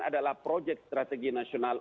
adalah proyek strategi nasional